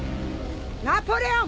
ナポレオン！